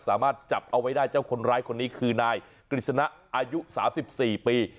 สามารถจับเอาไว้ได้เจ้าคนร้ายคนนี้คือนายกฤษณะอายุ๓๔ปี